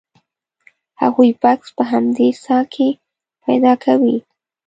هغوی بکس په همدې څاه کې پیدا کوي.